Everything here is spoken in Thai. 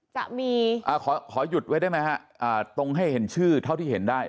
จะมีขอหยุดไว้ได้ไหมฮะตรงให้เห็นชื่อเท่าที่เห็นได้